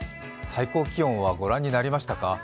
最高気温は御覧になりましたか？